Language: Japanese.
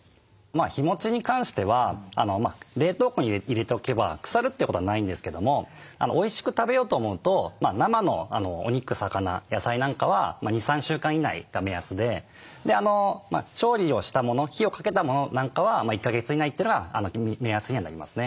日もちに関しては冷凍庫に入れておけば腐るということはないんですけどもおいしく食べようと思うと生のお肉魚野菜なんかは２３週間以内が目安で調理をしたもの火をかけたものなんかは１か月以内というのが目安にはなりますね。